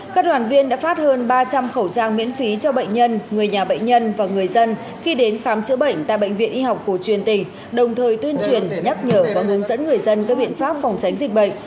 các đoàn viên đã phát hơn ba trăm linh khẩu trang miễn phí cho bệnh nhân người nhà bệnh nhân và người dân khi đến khám chữa bệnh tại bệnh viện y học cổ truyền tỉnh đồng thời tuyên truyền nhắc nhở và hướng dẫn người dân các biện pháp phòng tránh dịch bệnh